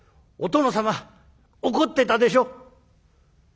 お殿様怒ってたでしょ？」。